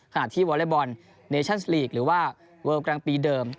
ขณะที่วอเลอร์บอลหรือว่าเวิร์บกลางปีเดิม